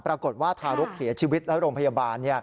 ปรากฏว่าทารกเสียชีวิตและโรงพยาบาล